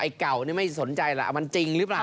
ไอ้เก่านี่ไม่สนใจละมันจริงรึเปล่า